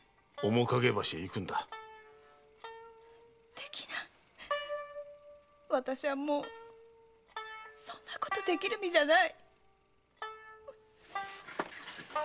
できない私はもうそんなことできる身じゃない！